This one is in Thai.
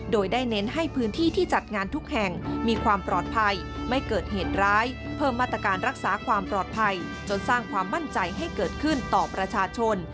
โดยได้เน้นให้พื้นที่ที่จัดงานทุกแห่งมีความปลอดภัยไม่เกิดเหตุร้ายเพิ่มมาตรการรักษาความปลอดภัยจนสร้างความมั่นใจให้เกิดขึ้นต่อประชาชน